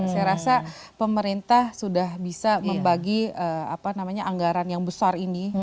saya rasa pemerintah sudah bisa membagi anggaran yang besar ini